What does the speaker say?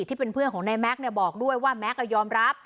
ที่เป็นเพื่อนของนายแม็กซ์บอกด้วยว่าแม็กซ์ยอมรับ